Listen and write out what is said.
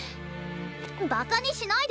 ばかにしないで。